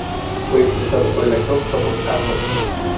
Fue expresado por el actor Tom Arnold.